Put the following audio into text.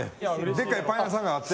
でっかいパン屋さんがあって。